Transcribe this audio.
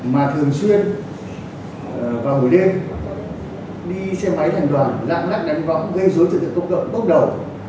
mà thường xuyên vào buổi đêm đi xe máy thành đoàn lạc lắc đánh võng gây rối trận tốc độc bốc đầu